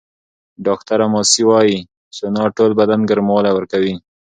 ډاکټره ماسي وايي، سونا ټول بدن ګرموالی ورکوي.